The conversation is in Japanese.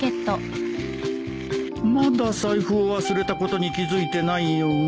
まだ財布を忘れたことに気付いてないよ